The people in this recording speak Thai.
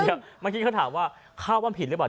เมื่อกี้เขาถามว่าข้าวว่าผิดหรือเปล่า